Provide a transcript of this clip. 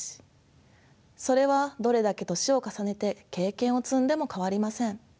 それはどれだけ年を重ねて経験を積んでも変わりません。